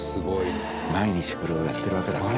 毎日これをやってるわけだから。